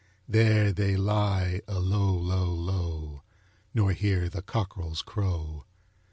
There they lie alow, low, low, Nor hear the cockrel's crow.